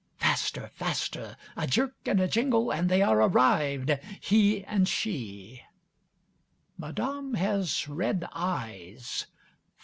Faster! Faster! A jerk and a jingle and they are arrived, he and she. Madame has red eyes.